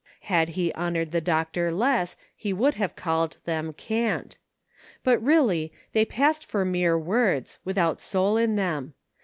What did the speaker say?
Had he honored the doctor less, he would have called them "cant." But, really, they passed for mere words, without soul in them.